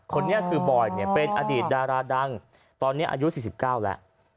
คนนี้คือบอยเนี่ยเป็นอดีตดาราดังตอนนี้อายุ๔๙แล้ว